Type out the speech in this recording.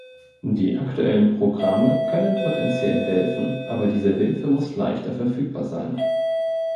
Die aktuellen Programme können potenziell helfen, aber diese Hilfe muss leichter verfügbar sein.